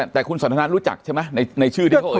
แต่คุณสันทนารู้จักใช่ไหมในชื่อที่เขาเอ